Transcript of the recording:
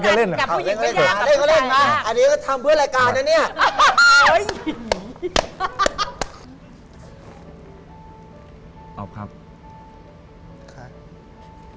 อ๋อเล่นก็เล่นเหรอครับเล่นก็เล่นสิครับสัมพันธ์ใหญ่มากอันนี้ก็ทำเพื่อนรายการเนี่ย